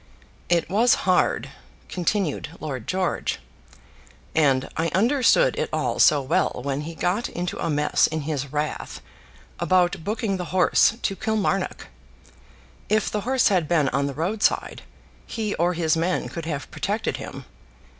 "It was hard," continued Lord George, "and I understood it all so well when he got into a mess in his wrath about booking the horse to Kilmarnock. If the horse had been on the roadside, he or his men could have protected him.